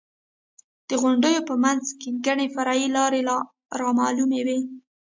د غونډیو په منځ کې ګڼې فرعي لارې رامعلومې وې.